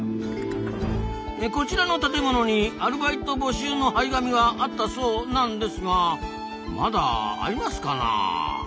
こちらの建物にアルバイト募集の貼り紙があったそうなんですがまだありますかなあ。